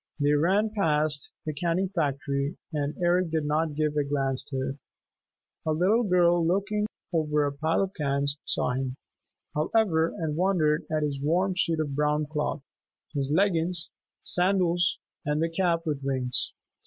They ran past the canning factory, and Eric did not give a glance to it. A little girl looking out over a pile of cans saw him, however, and wondered at his warm suit of brown cloth, his leggins, sandals and the cap with wings.